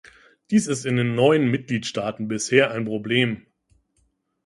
Dies ist in den neuen Mitgliedstaaten bisher ein Problem.